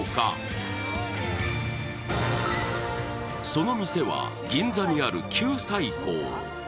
その店は銀座にある九寨溝。